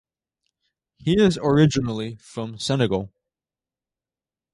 He is originally from Senegal.